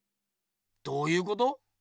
どうゆうこと？